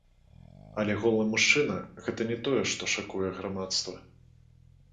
Але голы мужчына гэта не тое, што шакуе грамадства.